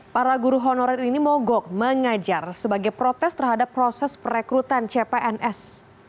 para guru honorer ini mogok mengajar sebagai protes terhadap proses perekrutan cpns